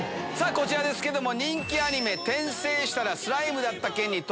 こちらですけども。